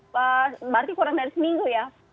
berarti kurang dari seminggu